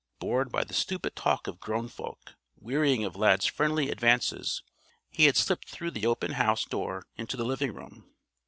Bored by the stupid talk of grown folk, wearying of Lad's friendly advances, he had slipped through the open house door into the living room.